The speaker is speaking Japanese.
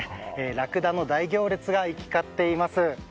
ラクダの大行列が行き交っています。